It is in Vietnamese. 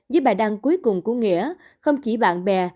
với bài đăng cuối cùng của nghĩa không chỉ bạn bè